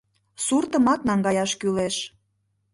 — Суртымат наҥгаяш кӱлеш.